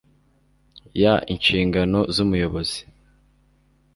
ya Inshingano z Umuyobozi